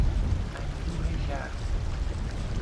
اندوه ژرف